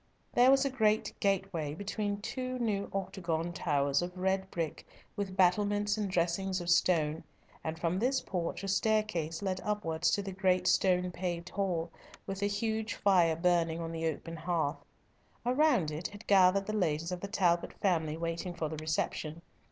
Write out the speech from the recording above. There was a great gateway between two new octagon towers of red brick, with battlements and dressings of stone, and from this porch a staircase led upwards to the great stone paved hall, with a huge fire burning on the open hearth. Around it had gathered the ladies of the Talbot family waiting for the reception.